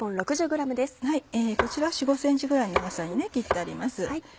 こちらは４５ｃｍぐらいの長さに切ってあります。